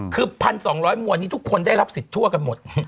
คือ๑๒๐๐มวลนี้ทุกคนได้รับสิทธิ์ทั่วกันหมด